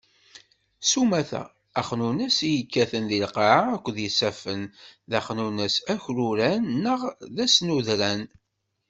Sumata, axnunnes i yekkaten lqaεa akked yisaffen, d axnunnes akruran neɣ d asnudran.